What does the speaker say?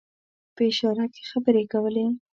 په اشاره کې خبرې کولې.